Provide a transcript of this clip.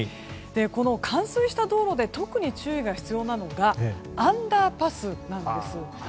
この冠水した道路で特に注意が必要なのがアンダーパスなんです。